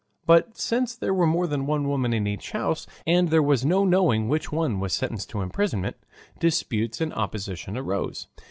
But since there were more than one woman in each house, and there was no knowing which one was sentenced to imprisonment, disputes and opposition arose.